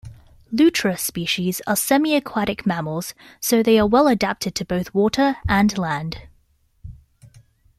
"Lutra" species are semiaquatic mammals, so they are well-adapted to both water and land.